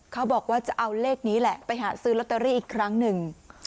เขาบอกว่าจะเอาเลขนี้แหละไปหาซื้อลอตเตอรี่อีกครั้งหนึ่ง